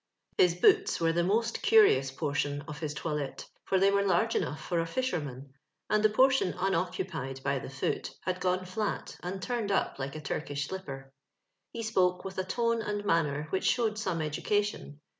His boots were the most curious portion of his toilette, for they were large enough for a fisherman, and the portion unoccupied by the foot had gone flat and turned up like a Turkish slipper. He spoke with a tone and manner which showed some education.